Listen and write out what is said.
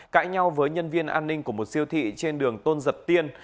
cãi nhau với nhân viên an ninh của một siêu thị trên đường tôn giật tiên